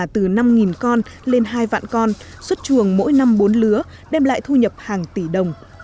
từ năm con lên hai vạn con xuất chuồng mỗi năm bốn lứa đem lại thu nhập hàng tỷ đồng